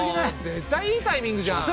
絶対いいタイミングじゃん！